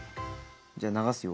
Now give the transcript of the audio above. じゃあ流すよ。